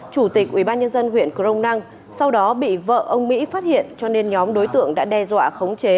chủ tịch ubnd huyện crong năng sau đó bị vợ ông mỹ phát hiện cho nên nhóm đối tượng đã đe dọa khống chế